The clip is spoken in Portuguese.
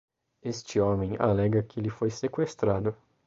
Este homem alega que ele foi seqüestrado.